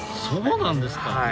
そうなんですか。